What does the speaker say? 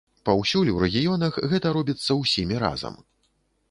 Паўсюль у рэгіёнах гэта робіцца ўсімі разам.